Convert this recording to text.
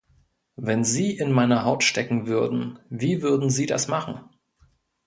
Wenn Sie in meiner Haut stecken würden, wie würden Sie das machen?